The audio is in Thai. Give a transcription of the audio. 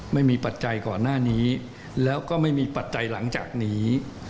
ปัจจัยก่อนหน้านี้แล้วก็ไม่มีปัจจัยหลังจากนี้